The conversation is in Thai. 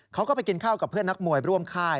เขาก็ไปกินข้าวกับเพื่อนนักมวยร่วมค่าย